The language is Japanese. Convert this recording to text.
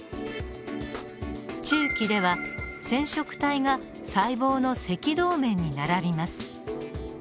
中期では染色体が細胞の赤道面に並びます。